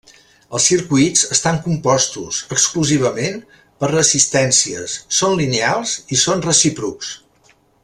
Els circuits estan compostos, exclusivament, per resistències, són lineals i són recíprocs.